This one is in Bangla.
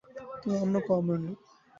তুমি অন্য কওমের লোক।